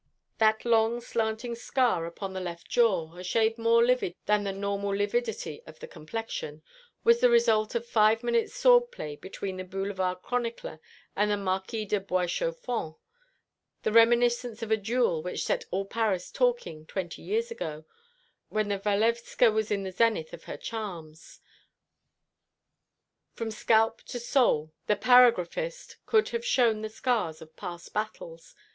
That long slanting scar upon the left jaw, a shade more livid than the normal lividity of the complexion, was the result of five minutes' sword play between the Boulevard chronicler and the Marquis du Bois Chaufonds, the reminiscence of a duel which set all Paris talking twenty years ago, when the Walewska was in the zenith of her charms. From scalp to sole the paragraphist could have shown the scars of past battles.